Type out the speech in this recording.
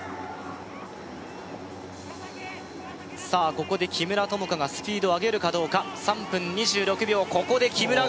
ここで木村友香がスピードを上げるかどうか３分２６秒ここで木村が上げました！